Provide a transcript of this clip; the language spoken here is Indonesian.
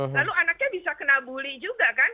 lalu anaknya bisa kena bully juga kan